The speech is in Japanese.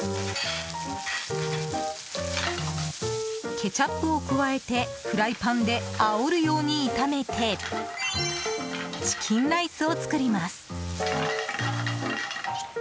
ケチャップを加えてフライパンであおるように炒めてチキンライスを作ります。